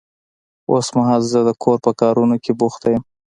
اوس مهال زه د کور په کارونه کې بوخت يم.